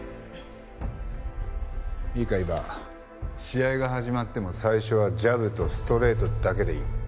試合が始まっても最初はジャブとストレートだけでいい。